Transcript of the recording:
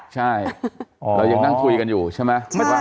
ใช่เรายังนั่งคุยกันอยู่ใช่ไหม